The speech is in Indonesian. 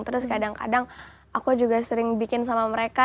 terus kadang kadang aku juga sering bikin sama mereka